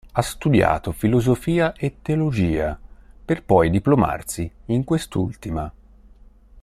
Ha studiato filosofia e teologia, per poi diplomarsi in quest'ultima.